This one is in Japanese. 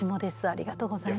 ありがとうございます。